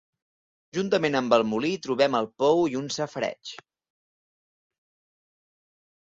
Juntament amb el molí trobem el pou i un safareig.